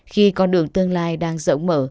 khi con đường tương lai đang rỗng mở